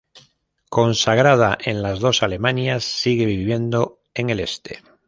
Consagrada en las dos Alemanias, siguió viviendo en el Este.